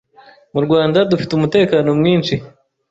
mu Rwanda dufite umutekano mwinshi